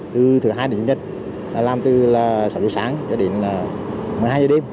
từ thứ hai đến nhất là làm từ sáu giờ sáng cho đến một mươi hai giờ đêm